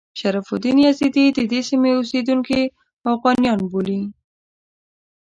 شرف الدین یزدي د دې سیمې اوسیدونکي اوغانیان بولي.